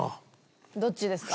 どっちですか？